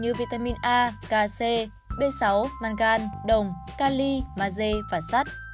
như vitamin a kc b sáu mangan đồng cali maze và sắt